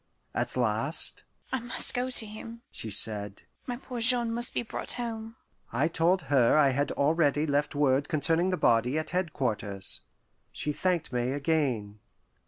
At last, "I must go to him," she said. "My poor Jean must be brought home." I told her I had already left word concerning the body at headquarters. She thanked me again.